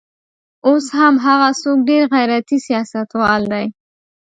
اوس هم هغه څوک ډېر غیرتي سیاستوال دی.